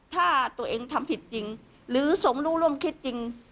ถ้าตัวเองทำผิดจริงหรือสมรู้ร่วมคิดจริง